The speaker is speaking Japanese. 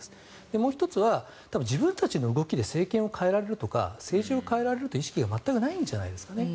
もう１つは自分たちの動きで政権を変えられるとか政治を変えられるという意識が全くないんじゃないですかね。